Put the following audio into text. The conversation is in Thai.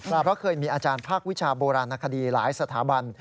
เพราะเคยมีอาจารย์ภาควิชาโบราณคดีหลายสถาบัน